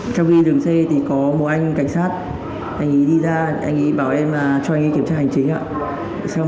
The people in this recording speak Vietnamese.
trong khi dừng xe thì có một anh cảnh sát anh ấy đi ra anh ấy bảo em cho anh ấy kiểm tra hành chính